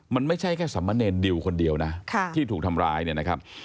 มันไม่ใช่แค่สามเณรดิวคนเดียวนะที่ถูกทำร้ายเนี่ยนะครับ